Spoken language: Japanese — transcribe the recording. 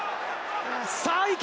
さあ、いけ！